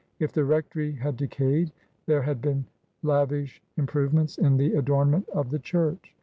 If the rectory had decayed, there had been lavish improvements in the adornment of the church.